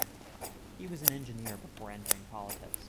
He was an engineer before entering politics.